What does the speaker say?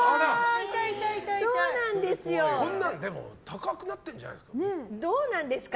こんなん、でも高くなってるんじゃないですか。